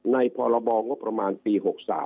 พรบงบประมาณปี๖๓